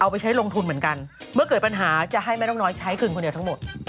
ไปใช้ลงทุนเหมือนกันเมื่อเกิดปัญหาจะให้แม่นกน้อยใช้คืนคนเดียวทั้งหมด